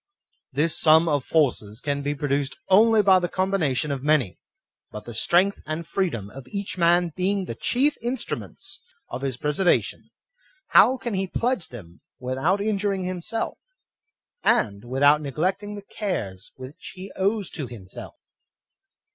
This sum of forces can be produced only by the com bination of many; but the strength and freedom of each man being the chief instruments of his preservation, how can he pledge them without injuring himself, and without neglecting the cares which he owes to him self